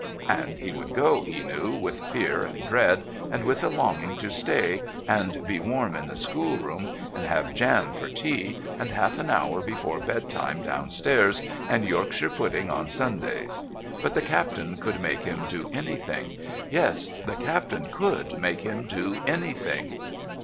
And he would go, he knew, with fear and dread, and with a longing to stay, and be warm in the schoolroom, and have jam for tea, and half an hour before bedtime downstairs, and Yorkshire pudding on Sundays. But the Captain could make him do anything... Yes, the Captain could make him do anything...